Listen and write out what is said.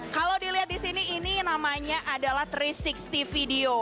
kalau dilihat di sini ini namanya adalah tiga ratus enam puluh video